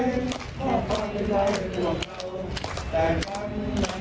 เหล่าทรายใจพันธุ์คงเฺิดลงไปแล้วหนุ่มใตต์ใจ